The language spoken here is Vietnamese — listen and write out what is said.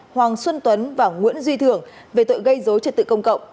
hoàng xuân tuấn và nguyễn duy thường về tội gây dối trật tự công cộng